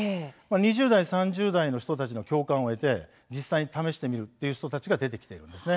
２０代、３０代の人の共感を得て実際に試してみようという人が出ているんです。